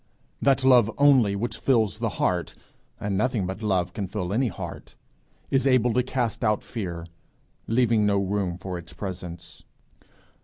That lore only which fills the heart and nothing but love can fill any heart is able to cast out fear, leaving no room for its presence.